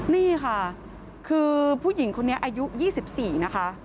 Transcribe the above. นี่ค่ะคือผู้หญิงคนนี้อายุ๒๔นะคะ